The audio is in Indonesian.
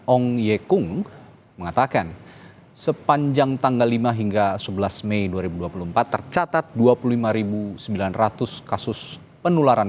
ong yekung mengatakan sepanjang tanggal lima hingga sebelas mei dua ribu dua puluh empat tercatat dua puluh lima sembilan ratus kasus penularan